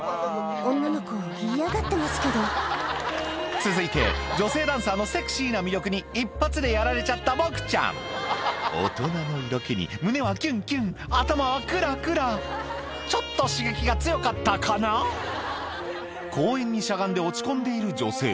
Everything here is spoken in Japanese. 女の子嫌がってますけど続いて女性ダンサーのセクシーな魅力に一発でやられちゃったボクちゃん大人の色気に胸はキュンキュン頭はクラクラちょっと刺激が強かったかな公園にしゃがんで落ち込んでいる女性